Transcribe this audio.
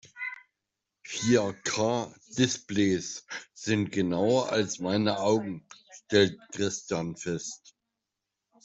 Vier-K-Displays sind genauer als meine Augen, stellt Christian fest.